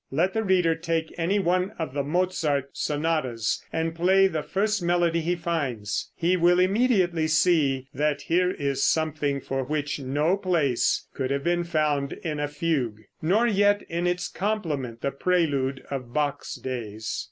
Let the reader take any one of the Mozart sonatas, and play the first melody he finds he will immediately see that here is something for which no place could have been found in a fugue, nor yet in its complement, the prelude of Bach's days.